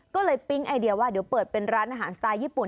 ก็เลยปิ๊งไอเดียว่าเดี๋ยวเปิดเป็นร้านอาหารสไตล์ญี่ปุ่น